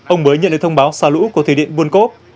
ông mới nhận được thông báo xả lũ của thủy điện buôn cốp